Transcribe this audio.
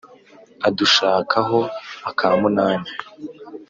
Adushaka ho akamunani